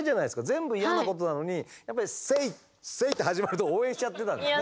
全部嫌なことなのにやっぱり「セイセイ」って始まると応援しちゃってたんですね。